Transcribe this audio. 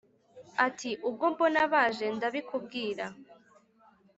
Ati : Ubwo mbona baje ndabikubwira